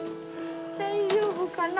大丈夫かな？